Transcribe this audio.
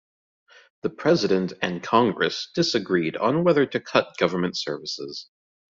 The president and congress disagreed on whether to cut government services.